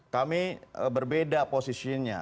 kami berbeda posisinya